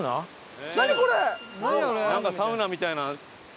なんかサウナみたいな。